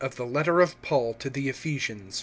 THE LETTER OF PAUL TO THE PHILIPPIANS.